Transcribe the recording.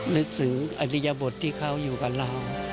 นึกถึงอริยบทที่เขาอยู่กับเรา